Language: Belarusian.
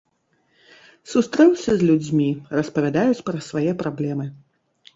Сустрэўся з людзьмі, распавядаюць пра свае праблемы.